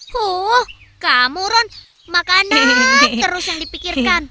huh kamu ron makanlah terus yang dipikirkan